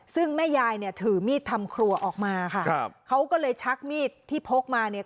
ซึ่งแม่ยายเนี่ยถือมีดทำครัวออกมาค่ะครับเขาก็เลยชักมีดที่พกมาเนี่ย